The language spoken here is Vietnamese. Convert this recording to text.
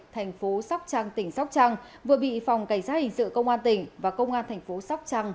tp sóc trăng tỉnh sóc trăng vừa bị phòng cảnh sát hình sự công an tỉnh và công an tp sóc trăng